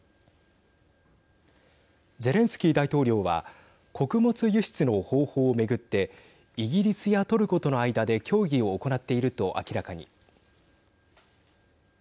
ゼレンスキー大統領は穀物輸出の方法を巡ってイギリスやトルコとの間で協議を行っていると明らかに。